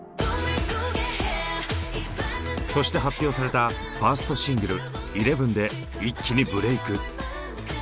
そして発表されたファーストシングル「ＥＬＥＶＥＮ」で一気にブレーク。